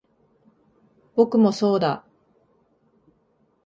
僕もそうだ